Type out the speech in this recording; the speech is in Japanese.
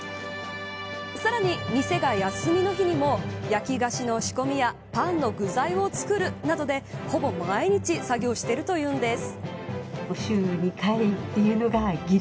さらに、店が休みの日にも焼菓子の仕込みやパンの具材を作るなどでほぼ毎日作業しているというんです。